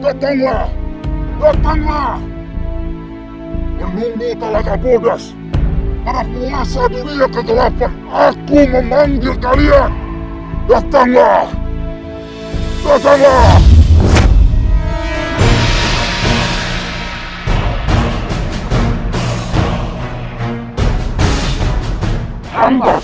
datanglah datanglah menunggu talaga bodas para puasa dunia kegelapan aku memanggil kalian datanglah